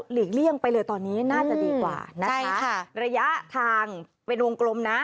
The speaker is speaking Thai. เลี่ยงไปเลยตอนนี้น่าจะดีกว่านะคะระยะทางเป็นวงกลมนะ